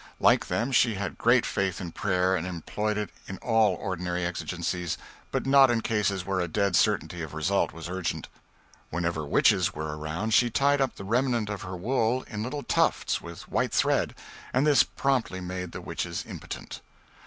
Like them, she had great faith in prayer, and employed it in all ordinary exigencies, but not in cases where a dead certainty of result was urgent. Whenever witches were around she tied up the remnant of her wool in little tufts, with white thread, and this promptly made the witches impotent.